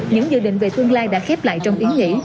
những dự định về tương lai đã khép lại trong ý nghĩ